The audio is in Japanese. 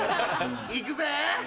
行くぜ！